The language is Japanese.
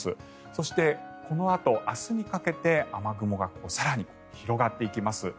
そして、このあと明日にかけて雨雲が更に広がっていきます。